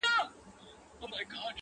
او درد د حقيقت برخه ده,